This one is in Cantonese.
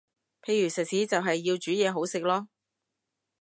譬如食肆就係要煮嘢好食囉